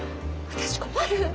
私困る。